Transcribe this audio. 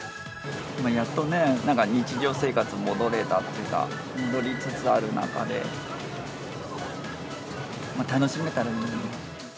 やっとね、日常生活に戻れたっていうか、戻りつつある中で、楽しめたらいいなと。